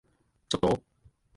ちょっと？